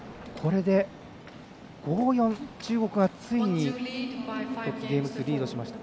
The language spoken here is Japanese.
５−４、中国はついにゲーム数でリードしました。